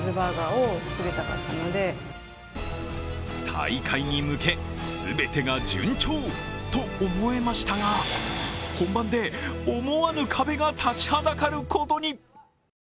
大会に向け、全てが順調と思えましたが、本番に思わぬ壁が立ちはだかることに。